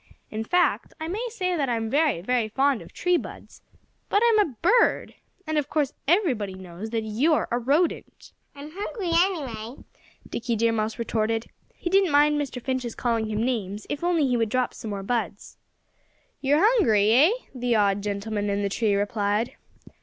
"In fact, I may say that I'm very, very fond of tree buds. But I'm a bird. And of course everybody knows that you're a rodent." "I'm hungry, anyway," Dickie Deer Mouse retorted. He didn't mind Mr. Finch's calling him names, if only he would drop some more buds. "You're hungry, eh?" the odd gentleman in the tree replied.